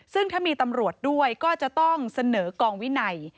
ซึ่งถ้ามีตำรวจด้วยก็จะต้องเสนอกองวินัย